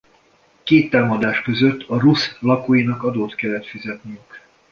Két támadás közt a Rusz lakóinak adót kellett fizetniük.